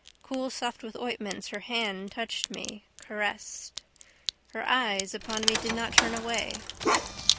Coolsoft with ointments her hand touched me, caressed: her eyes upon me did not turn away.